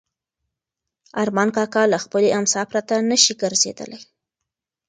ارمان کاکا له خپلې امسا پرته نه شي ګرځېدلی.